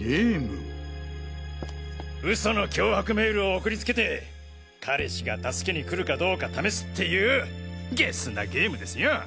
嘘の脅迫メールを送りつけて彼氏が助けに来るかどうか試すっていうゲスなゲームですよ。